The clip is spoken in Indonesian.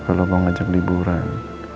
kalau kau ngajak liburan